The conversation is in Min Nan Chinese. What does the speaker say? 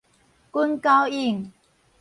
滾狗湧